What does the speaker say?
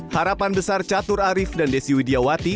harapan besar catur arief dan desi widiawati